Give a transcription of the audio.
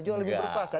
juga lebih berkuasa